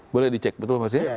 boleh dicek betul mas ya